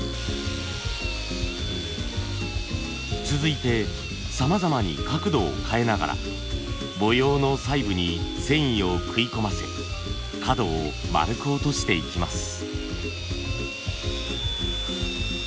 続いてさまざまに角度を変えながら模様の細部に繊維を食い込ませ角を丸く落としていきます。